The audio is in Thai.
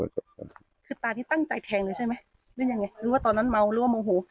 คือตาที่ตั้งใจแทงเลยใช่ไหมหรือยังไงหรือว่าตอนนั้นเมาหรือว่าโมโห